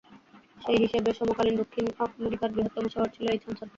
সেই হিসেবে সমকালীন দক্ষিণ আমেরিকার বৃহত্তম শহর ছিল এই "চান চান"।